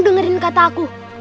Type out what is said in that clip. dengerin kata aku